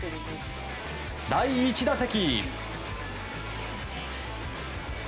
第１打席。